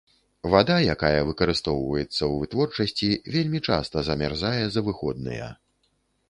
Вада, якая выкарыстоўваецца ў вытворчасці, вельмі часта замярзае за выходныя.